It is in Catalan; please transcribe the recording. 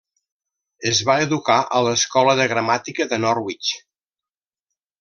Es va educar a l'escola de gramàtica de Norwich.